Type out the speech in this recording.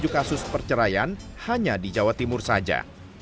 satu ratus empat puluh tujuh kasus perceraian hanya di jawa timur saja